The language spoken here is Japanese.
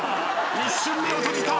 一瞬目を閉じた。